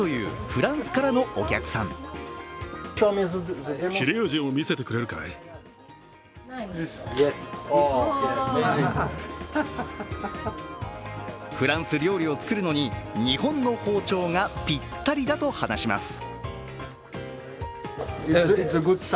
フランス料理を作るのに、日本の包丁がぴったりだと話します。